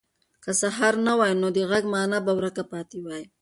که سهار نه وای، نو د غږ مانا به ورکه پاتې وای.